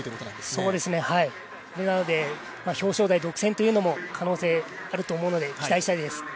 なので、表彰台独占というのも可能性あると思うので、期待したいです。